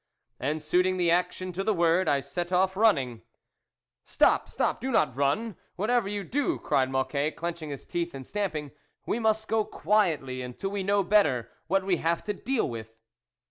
And suiting the action to the word, I set off running. " Stop, stop, do not run, whatever you do," cried Mocquet, clenching his teeth and stamping. " We must go quietly, until we know better what we have to deal with."